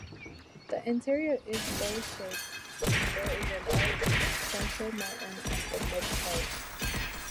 The interior is bowl-shaped, and there is a large central mountain at the midpoint.